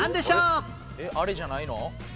えっあれじゃないの？